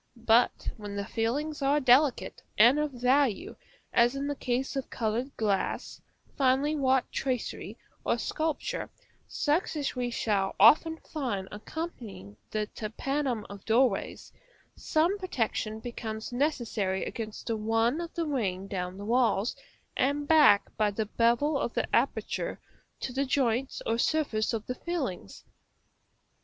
But when the fillings are delicate and of value, as in the case of colored glass, finely wrought tracery, or sculpture, such as we shall often find occupying the tympanum of doorways, some protection becomes necessary against the run of the rain down the walls, and back by the bevel of the aperture to the joints or surface of the fillings.